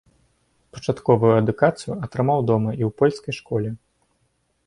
Пачатковую адукацыю атрымаў дома і ў польскай школе.